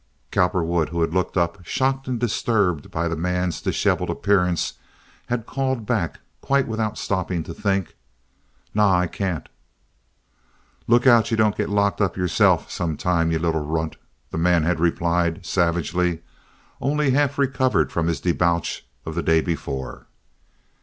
Cowperwood, who had looked up, shocked and disturbed by the man's disheveled appearance, had called back, quite without stopping to think: "Naw, I can't." "Look out you don't get locked up yourself sometime, you little runt," the man had replied, savagely, only half recovered from his debauch of the day before.